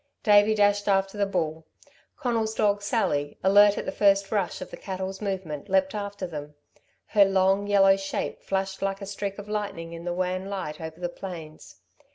Davey dashed after the bull. Conal's dog, Sally, alert at the first rush of the cattle's movement, leapt after them. Her long, yellow shape flashed like a streak of lightning in the wan light over the plains.